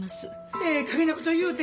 ええかげんなこと言うて！